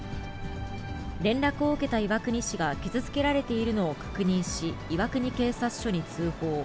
連絡を受けた岩国市が、傷つけられているのを確認し、岩国警察署に通報。